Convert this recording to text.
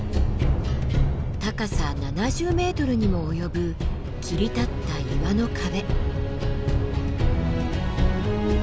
高さ７０ｍにも及ぶ切り立った岩の壁。